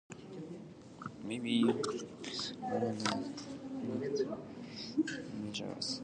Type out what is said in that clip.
Maybe we could organize a neighborhood watch or increase security measures.